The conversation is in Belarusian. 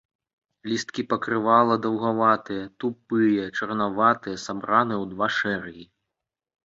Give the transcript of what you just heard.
Лісткі пакрывала даўгаватыя, тупыя, чарнаватыя, сабраныя ў два шэрагі.